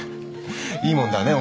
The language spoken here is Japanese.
いいもんだね。